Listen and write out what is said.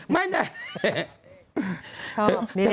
ไม่นะ